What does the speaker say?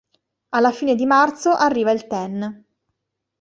Alla fine di marzo arriva il Ten.